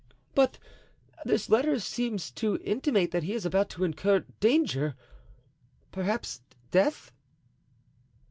"But this letter seems to intimate that he is about to incur danger, perhaps death."